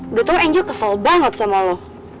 udah tuh angel kesel banget sama lo